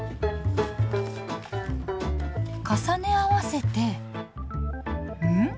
重ね合わせてん？